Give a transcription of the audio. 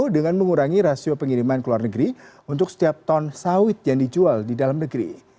dengan mengurangi rasio pengiriman ke luar negeri untuk setiap ton sawit yang dijual di dalam negeri